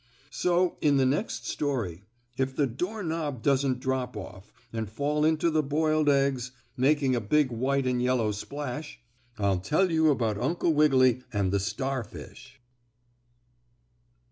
So in the next story, if the doorknob doesn't drop off and fall into the boiled eggs, making a big white and yellow splash, I'll tell you about Uncle Wiggily and the starfish.